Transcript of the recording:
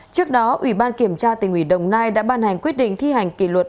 trước đó ủy ban kiểm tra tỉnh ủy đồng nai đã ban hành quyết định thi hành kỷ luật